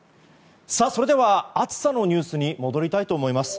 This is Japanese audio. それでは暑さのニュースに戻りたいと思います。